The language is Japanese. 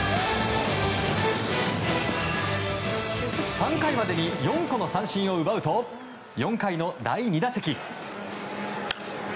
３回までに４個の三振を奪うと４回の第２打席。